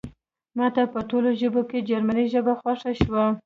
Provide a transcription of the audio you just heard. ماته په ټولو ژبو کې جرمني ژبه خوښه شوه